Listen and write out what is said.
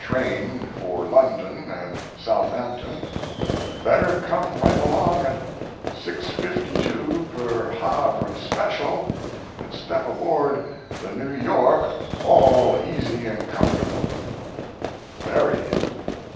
train for London and Southampton; "better come right along at 6.52 per Havre special and step aboard the New York all easy and comfortable." Very!